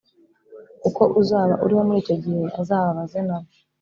Kuko uzaba uriho muri icyo gihe azababaze nabo